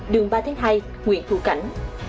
đường ba tháng hai nguyễn thu cảnh